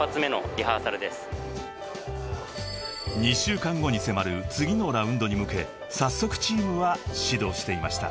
［２週間後に迫る次のラウンドに向け早速チームは始動していました］